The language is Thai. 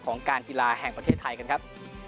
การกีฬาแห่งประเทศไทยกันครับ